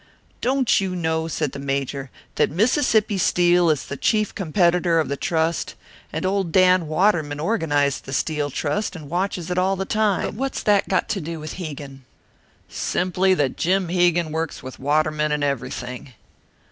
"Don't you know," said the Major, "that Mississippi Steel is the chief competitor of the Trust? And old Dan Waterman organised the Steel Trust, and watches it all the time." "But what's that got to do with Hegan?" "Simply that Jim Hegan works with Waterman in everything."